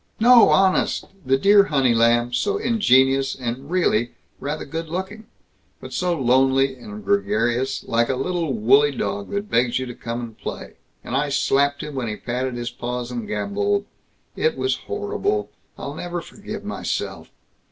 "No, honest! The dear honey lamb, so ingenious, and really, rather good looking. But so lonely and gregarious like a little woolly dog that begs you to come and play; and I slapped him when he patted his paws and gamboled It was horrible. I'll never forgive myself.